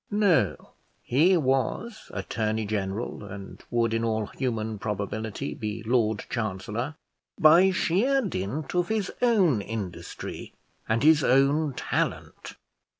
No; he was attorney general, and would, in all human probability, be lord chancellor by sheer dint of his own industry and his own talent.